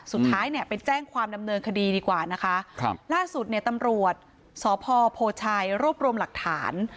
สุดท้ายเนี่ยไปแจ้งความดำเนินคดีดีกว่านะคะครับล่าสุดเนี่ยตำรวจสพโพชัยรวบรวมหลักฐาน